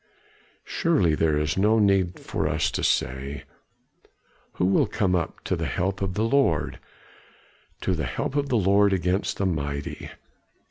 Surely there is no need for us to say, 'Who will come up to the help of the Lord? to the help of the Lord against the mighty?